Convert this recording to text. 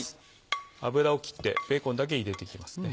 脂を切ってベーコンだけ入れていきますね。